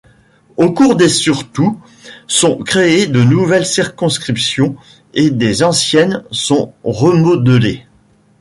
Au cours des surtout, sont créées de nouvelles circonscriptions et des anciennes sont remodelées.